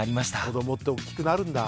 子どもって大きくなるんだ。